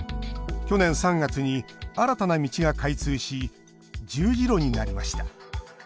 去年３月に新たな道が開通し十字路になりました。